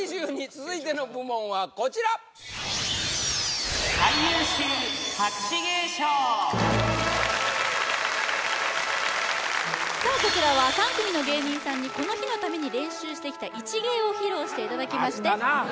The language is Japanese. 続いての部門はこちらさあこちらは３組の芸人さんにこの日のために練習してきた一芸を披露していただきましてあったな